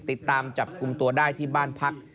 ติดตามจับกลุ่มตัวได้ที่บ้านพัก